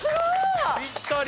ぴったり！